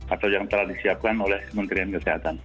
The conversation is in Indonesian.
atau yang telah disiapkan oleh kementerian kesehatan